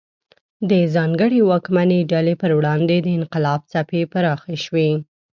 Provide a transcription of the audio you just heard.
د ځانګړې واکمنې ډلې پر وړاندې د انقلاب څپې پراخې شوې.